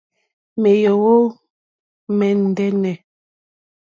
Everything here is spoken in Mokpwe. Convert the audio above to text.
Mèóhwò mɛ̀ndɛ́nɛ̀.